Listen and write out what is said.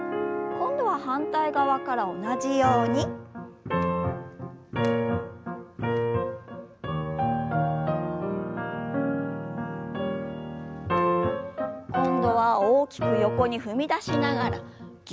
今度は大きく横に踏み出しながらぎゅっと。